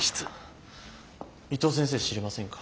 伊藤先生知りませんか？